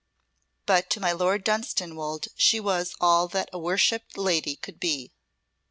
But to my Lord of Dunstanwolde she was all that a worshipped lady could be.